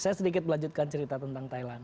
saya sedikit melanjutkan cerita tentang thailand